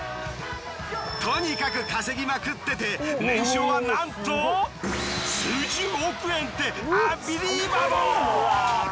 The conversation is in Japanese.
とにかく稼ぎまくってて年商はなんと数十億円ってアンビリーバブル！